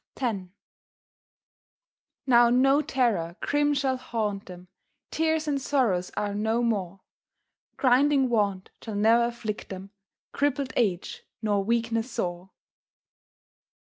X Now no terror grim shall haunt them— Tears and sorrows are no more; Grinding want shall ne'er afflict them, Crippled age nor weakness sore.